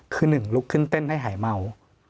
คือหนึ่งลุกขึ้นเต้นให้หายเมา